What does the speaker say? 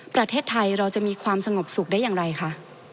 ประเทศไทยเราจะมีความสงบสุขได้อย่างไรคะ